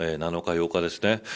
７日、８日ですね。